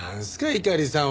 猪狩さん。